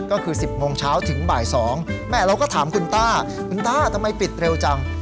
ก็คือ๑๐โมงเช้าถึงบ่าย๒แม่เราก็ถามคุณต้าคุณต้าทำไมปิดเร็วจัง